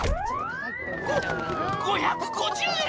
「ご５５０円！？」